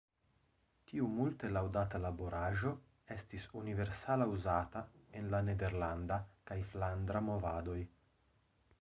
Tiu multe laŭdata laboraĵo estis universale uzata en la nederlanda kaj flandra movadoj.